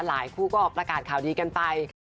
คู่ก็ประกาศข่าวดีกันไป